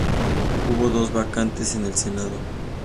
Hubo dos vacantes en el Senado.